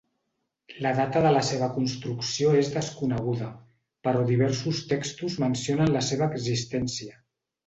La data de la seva construcció és desconeguda, però diversos textos mencionen la seva existència.